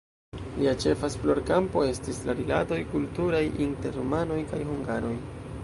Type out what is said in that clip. Lia ĉefa esplorkampo estis la rilatoj kulturaj inter rumanoj kaj hungaroj.